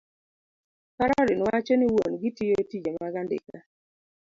Caroline wacho ni wuon-gi tiyo tije mag andika,